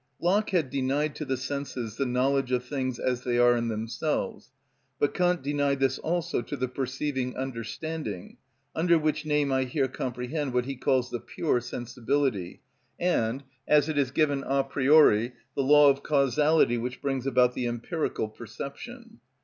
Locke had denied to the senses the knowledge of things as they are in themselves; but Kant denied this also to the perceiving understanding, under which name I here comprehend what he calls the pure sensibility, and, as it is given a priori, the law of causality which brings about the empirical perception.